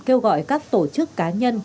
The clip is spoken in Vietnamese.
kêu gọi các tổ chức cá nhân